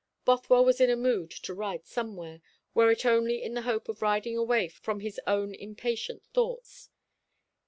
Bothwell was in a mood to ride somewhere, were it only in the hope of riding away from his own impatient thoughts.